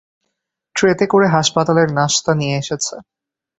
ট্রেতে করে হাসপাতালের নাশতা নিয়ে এসেছে।